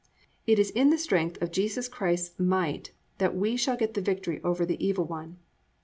_ It is in the strength of Jesus Christ's might that we shall get the victory over "the evil one."